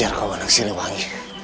aku akan menang